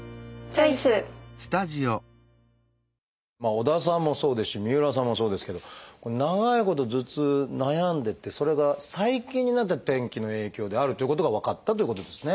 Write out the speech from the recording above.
織田さんもそうですし三浦さんもそうですけど長いこと頭痛悩んでてそれが最近になって天気の影響であるということが分かったということですね。